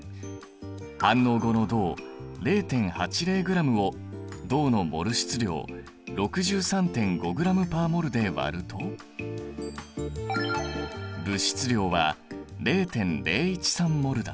反応後の銅０．８０ｇを銅のモル質量６３．５ｇ／ｍｏｌで割ると物質量は０．０１３ｍｏｌだ。